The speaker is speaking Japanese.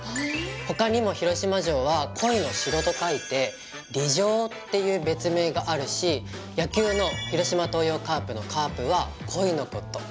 他にも広島城は「鯉の城」と書いて「鯉城」っていう別名があるし野球の広島東洋カープの「カープ」は「コイ」のこと。